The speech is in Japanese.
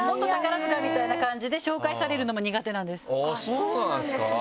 そうなんすか？